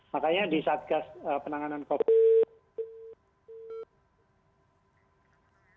makanya di satgas penanganan covid sembilan belas